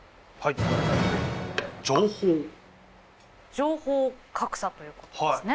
情報格差ということですね。